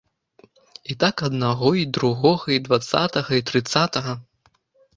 І так аднаго, й другога, й дваццатага, й трыццатага.